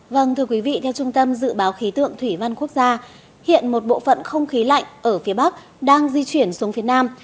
vâng thưa quý vị theo trung tâm dự báo khí tượng thủy văn quốc gia hiện một bộ phận không khí lạnh ở phía bắc đang di chuyển xuống phía nam